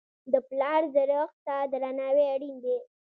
د پلار زړښت ته درناوی اړین دی.